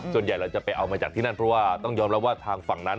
ส่วนใหญ่เราจะไปเอามาจากที่นั่นเพราะว่าต้องยอมรับว่าทางฝั่งนั้น